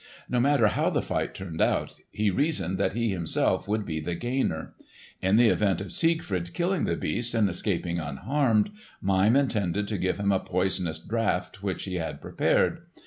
No matter how the fight turned out, he reasoned that he himself would be the gainer. In the event of Siegfried killing the beast and escaping unharmed, Mime intended to give him a poisonous draught which he had prepared.